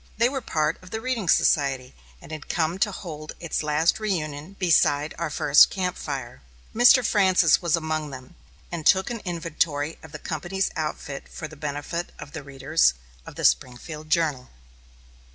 They were part of the reading society, and had come to hold its last reunion beside our first camp fire. Mr. Francis was among them, and took an inventory of the company's outfit for the benefit of the readers of The Springfield Journal.